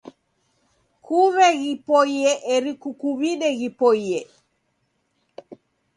Kuw'e ghipoie eri kukuw'ide ghipoie.